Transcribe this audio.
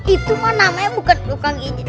itu mah namanya bukan tukang ini